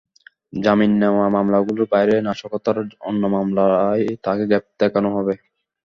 জামিন নেওয়া মামলাগুলোর বাইরে নাশকতার অন্য মামলায় তাঁকে গ্রেপ্তার দেখানো হবে।